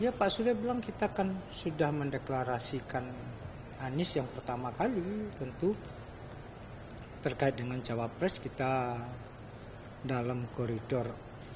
ya pak surya bilang kita kan sudah mendeklarasikan anies yang pertama kali tentu terkait dengan cawapres kita dalam koridor